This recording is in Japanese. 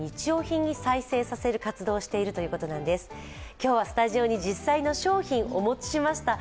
今日はスタジオに実際の商品、お持ちしました。